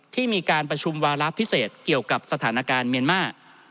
ที่มีการประชุมวาระพิเศษเกี่ยวกับสถานการณ์เมียนมาร์